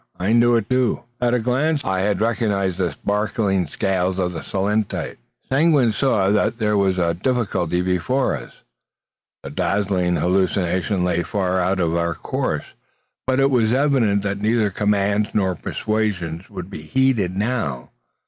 I knew it too. At a glance I had recognised the sparkling scales of the selenite. Seguin saw that there was a difficulty before us. This dazzling hallucination lay far out of our course; but it was evident that neither commands nor persuasion would be heeded now.